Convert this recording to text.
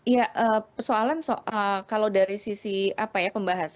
ya persoalan soal kalau dari sisi apa ya pembahasan